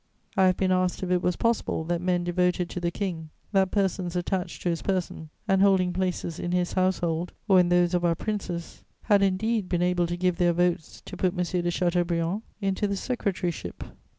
I have been asked if it was possible that men devoted to the King, that persons attached to his person and holding places in his Household or in those of our Princes had indeed been able to give their votes to put M. de Chateaubriand into the secretaryship.